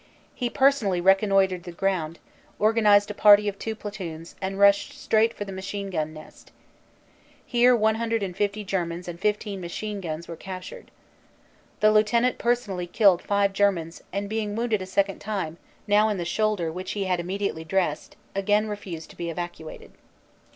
He per sonally reconnoitred the ground, organized a party of two platoons and rushed straight for the machine gun nest. Here 150 Germans and IS machine guns were captured. The Lieu tenant personally killed five Germans and being wounded a second time, now in the shoulder which he had immediately dressed, again refused to be evacuated.